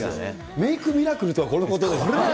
メークミラクルとはこのことですね。